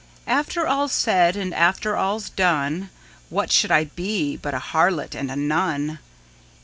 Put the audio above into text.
After all's said and after all's done, What should I be but a harlot and a nun?